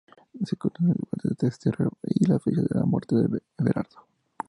Se desconocen el lugar de destierro y la fecha de la muerte de Everardo.